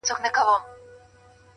د عمل اغېز تر خبرو ژور وي؛